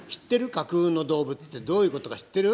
架空の動物ってどういうことか知ってる？